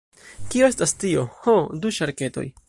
Kio estas tio? Ho, du ŝarketoj.